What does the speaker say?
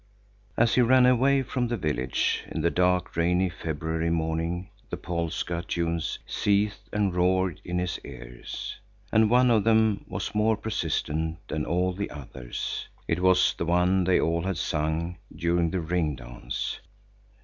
As he ran away from the village in the dark, rainy February morning, the polska tunes seethed and roared in his ears. And one of them was more persistent than all the others. It was the one they all had sung during the ring dance.